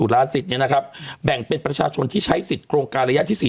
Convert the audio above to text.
ล้านสิทธิ์เนี่ยนะครับแบ่งเป็นประชาชนที่ใช้สิทธิ์โครงการระยะที่๔